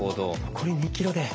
残り２ｋｍで。